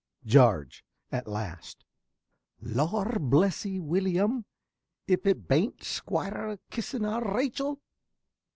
_) ~Jarge~ (at last). Lor' bless 'ee, Willyum, if it bain't Squire a kissin' our Rachel.